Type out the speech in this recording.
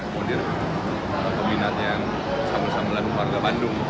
kondir peminat yang sama sama lalu warga bandung